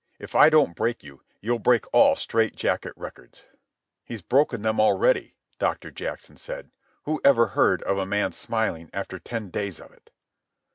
If I don't break you, you'll break all strait jacket records." "He's broken them already," Doctor Jackson said. "Who ever heard of a man smiling after ten days of it?"